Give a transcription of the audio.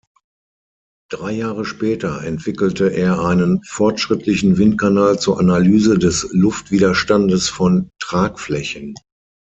Drei Jahre später entwickelte er einen fortschrittlichen Windkanal zur Analyse des Luftwiderstandes von Tragflächen.